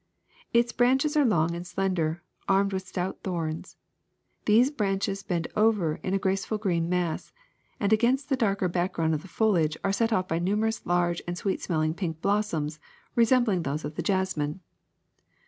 Its branches are long and slen der, armed with stout thorns. These branches bend over in a graceful green mass, and against the darker background of foliage are set oif numerous large and sweet smelling pink blossoms resembling those of the jasmine.